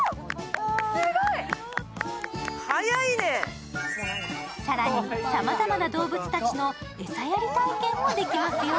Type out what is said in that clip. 早いね更にさまざまな動物たちの餌やり体験もできますよ。